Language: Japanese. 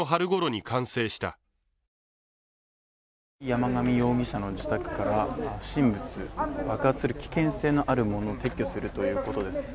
山上容疑者の自宅から不審物、爆発する危険性のあるものを撤去するということです。